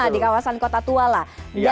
di kawasan kota tua lah